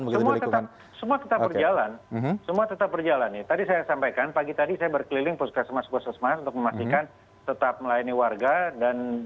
semua tetap berjalan semua tetap berjalan tadi saya sampaikan pagi tadi saya berkeliling puskesmas puskesmas untuk memastikan tetap melayani warga dan dilakukan penutupan